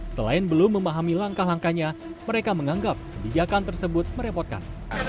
selain belum memahami langkah langkahnya mereka menganggap bijakan tersebut merepotkan